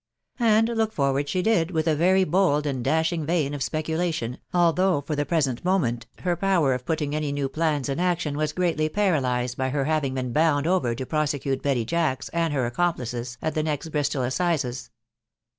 And look forward she did with a very bold and dashing vein of speculation, although for the present moment her power of putting any new plans in action was greatly paralysed by her having been bound over to prosecute Betty Jacks and her accomplices at the next Bristol assizes.